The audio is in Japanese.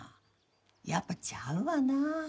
やっぱちゃうわな。